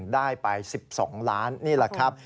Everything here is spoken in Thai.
ได้ไป๑๒ล้านนี่แหละครับ